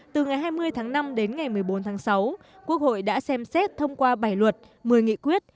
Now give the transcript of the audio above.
từ ngày hai mươi tháng năm đến ngày một mươi bốn tháng sáu quốc hội đã xem xét thông qua bảy luật một mươi nghị quyết